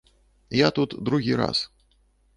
Я тут другі раз.